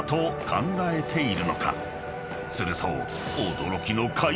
［すると］